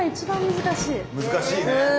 難しいね。